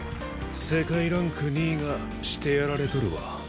世界ランク２位がしてやられとるわ。